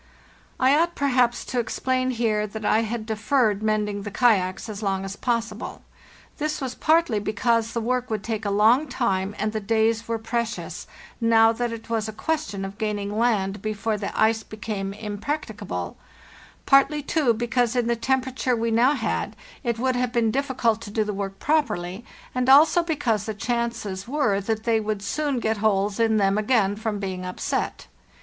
I ought perhaps to explain here that I had deferred mending the kayaks as long as possible. This was partly because the work would take a long time, and the days were precious, now that it was a question of gaining land before the ice became impracticable; partly, too, because, in the temperature we now had, it would have * The lanes form most frequently in windy weather, as the ice is then set in motion. A HARD STRUGGLE 195 been difficult to do the work properly; and also because the chances were that they would soon get holes in them again from being upset.